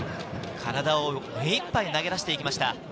体を目一杯投げ出していきました。